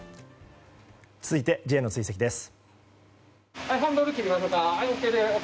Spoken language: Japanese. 続いて、Ｊの追跡です。